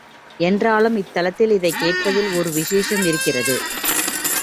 என்றாலும் இத்தலத்தில் இதைக் கேட்பதில் ஒரு விசேஷம் இருக்கிறது.